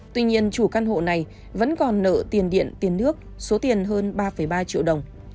tuy nhiên chủ căn hộ này vẫn còn nợ tiền điện tiền nước số tiền hơn ba ba triệu đồng